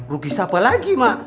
rugi siapa lagi mak